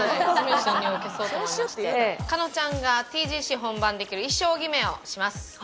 加納ちゃんがＴＧＣ本番で着る衣装決めをします。